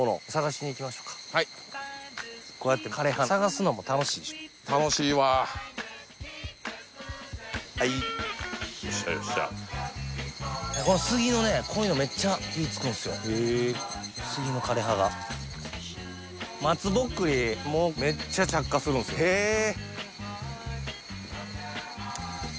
こうやってはいよっしゃよっしゃこの杉のねこういうのめっちゃ火つくんすよへえ杉の枯れ葉が松ぼっくりもめっちゃ着火するんすよへえ！